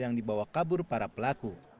yang dibawa kabur para pelaku